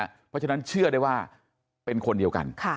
เพราะฉะนั้นเชื่อได้ว่าเป็นคนเดียวกัน